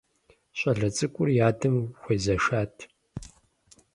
Щӏалэ цӏыкӏур и адэм хуезэшат.